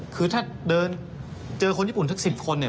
คือถ้าเดินเจอคนญี่ปุ่นทั้ง๑๐คนเนี่ย